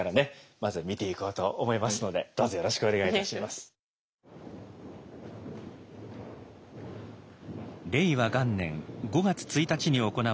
まずは見ていこうと思いますのでどうぞよろしくお願いいたします。